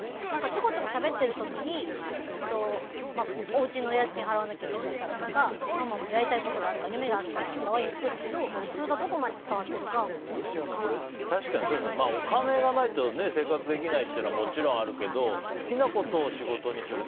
ちょこちょこしゃべってる時におうちの家賃払わなきゃいけないからとかママもやりたいことがあるから夢があるからとかは言っているけどそれがどこまで伝わっているかは確かにお金がないと生活できないっていうのはもちろん、あるけど好きなことを仕事にする。